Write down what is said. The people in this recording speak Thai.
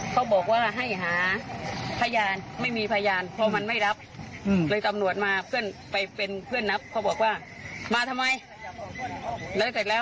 ท่านที่รับจ้างดูแลสวนทำตัวเป็นเจ้าของสวนนี่เลย